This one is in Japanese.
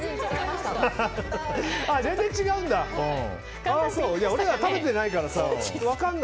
全然違うんだもん。